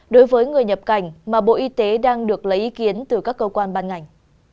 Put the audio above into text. đối với người nhập cảnh mà bộ y tế đang được lấy ý kiến từ các cơ quan ban ngành